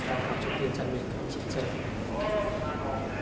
อเจมส์พูดว่าที่การพิพันธ์ต่อไปเป็นการหินฟ้าธรรม